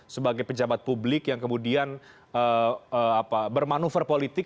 sebagai pejabat publik yang kemudian bermanuver politik